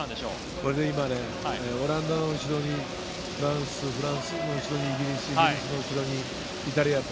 これで今ね、オランダの後ろにフランス、フランスの後ろにイギリス、イギリスの後ろにイタリアと。